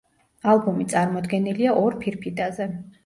ალბომი წარმოდგენილია ორ ფირფიტაზე.